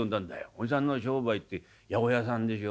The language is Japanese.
「おじさんの商売って八百屋さんでしょ。